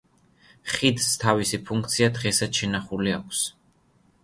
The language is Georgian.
ხიდს თავისი ფუნქცია დღესაც შენახული აქვს.